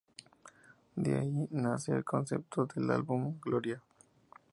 De ahí nace el concepto del álbum "Gloria!